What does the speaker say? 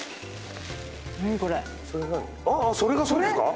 あっそれがそうですか？